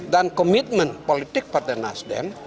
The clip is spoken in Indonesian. dan komitmen politik partai nasdem